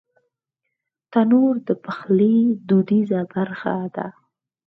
تنور د پخلي دودیزه برخه ده